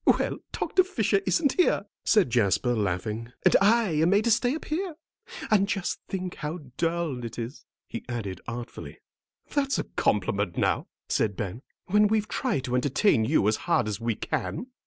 "Well, Doctor Fisher isn't here," said Jasper, laughing, "and I am made to stay up here. And just think how dull it is," he added artfully. "That's a compliment, now," said Ben, "when we've tried to entertain you as hard as we can."